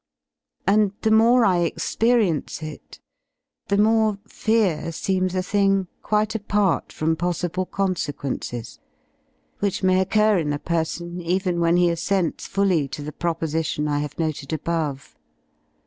And the more I experience it, the more fear // seems a thing quite apart from possible consequences, which 1/ may occur in a person even when he assents fully to the ^* proposition I have noted above.